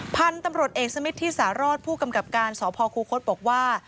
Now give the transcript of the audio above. พันธุ์ตำรวจเอกสมิทธิสารอดผู้กำกับการสพคูคศบอกว่า